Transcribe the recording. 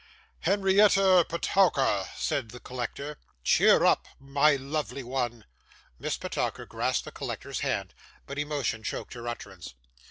'Henrietta Petowker!' said the collector; 'cheer up, my lovely one.' Miss Petowker grasped the collector's hand, but emotion choked her utterance.